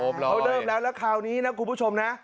เขาเริ่มแล้วแล้วคราวนี้นะคุณผู้ชมนะ